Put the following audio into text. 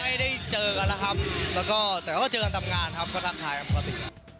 ไม่ได้เจอกันแล้วครับแล้วก็แต่ก็เจอกันตามงานครับก็ทักทายกันปกติ